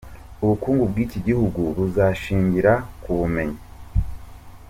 Ubukungu bw’iki gihugu buzashingira ku bumenyi.